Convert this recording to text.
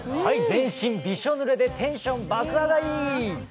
全身びしょぬれでテンション上がりまくり！